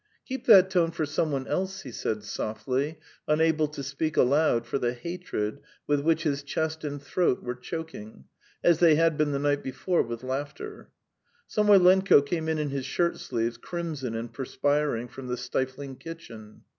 "Keep that tone for some one else," he said softly, unable to speak aloud for the hatred with which his chest and throat were choking, as they had been the night before with laughter. Samoylenko came in in his shirt sleeves, crimson and perspiring from the stifling kitchen.